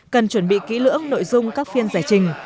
cần chuẩn bị kỹ lưỡng nội dung các phiên giải trình